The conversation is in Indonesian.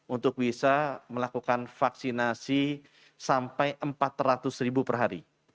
untuk bisa melakukan vaksinasi sampai empat ratus ribu per hari